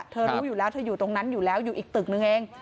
รู้อยู่แล้วเธออยู่ตรงนั้นอยู่แล้วอยู่อีกตึกนึงเอง